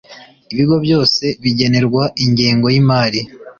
ibigo byose bigenerwa ingengo y’imari